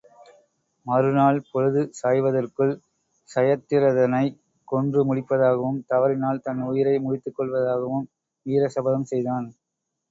மறுநாள் பொழுது சாய்வதற்குள் சயத்திரதனைக் கொன்று முடிப்பதாகவும், தவறினால் தன் உயிரை முடித்துக் கொள்வதாகவும் வீர சபதம் செய்தான்.